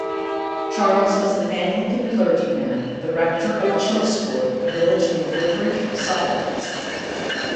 Charles was an Anglican clergyman, the rector of Chillesford, a village near Woodbridge, Suffolk.